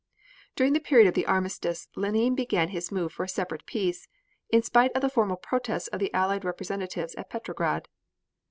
During the period of the armistice Lenine began his move for a separate peace, in spite of the formal protests of the Allied representatives at Petrograd.